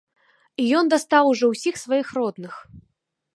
І ён дастаў ужо ўсіх сваіх родных.